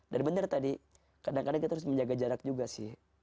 dan benar tadi kadang kadang kita harus menjaga jarak juga sih